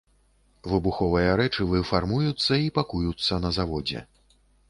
Выбуховыя рэчывы фармуюцца і пакуюцца на заводзе.